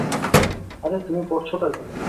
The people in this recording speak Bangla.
আরে তুমি করছটা কী?